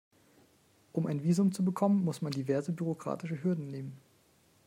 Um ein Visum zu bekommen, muss man diverse bürokratische Hürden nehmen.